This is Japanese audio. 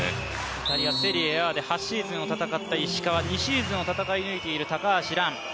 イタリア・セリエＡで８シーズンを戦った石川祐希、２シーズンを戦い抜いている高橋藍。